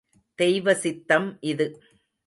தெய்வ சித்தம் இது.